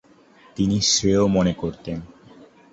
তিনি শ্রেয় মনে করতেন।